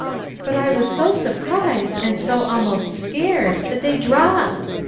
" But I was so surprised and so almost scared, that they dropped.